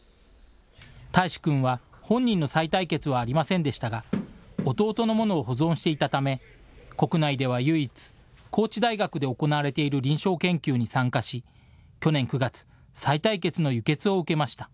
替詞君は、本人のさい帯血はありませんでしたが、弟のものを保存していたため、国内では唯一、高知大学で行われている臨床研究に参加し、去年９月、さい帯血の輸血を受けました。